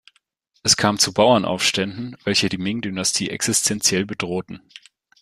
Es kam zu Bauernaufständen, welche die Ming-Dynastie existenziell bedrohten.